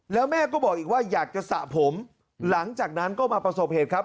แล้วแม่ก็บอกอีกว่าอยากจะสระผมหลังจากนั้นก็มาประสบเหตุครับ